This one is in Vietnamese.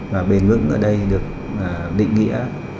và bền lưỡng ở đây được định nghĩa